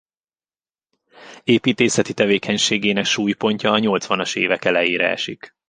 Építészeti tevékenységének súlypontja a nyolcvanas évek elejére esik.